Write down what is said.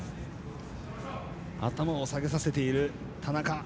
頭を下げさせている田中。